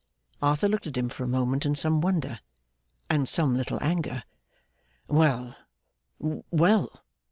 Arthur looked at him for a moment in some wonder, and some little anger. 'Well, well!